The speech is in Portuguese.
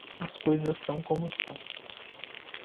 As coisas são como são.